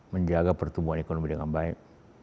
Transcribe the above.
menjaga pertumbuhan ekonomi dengan baik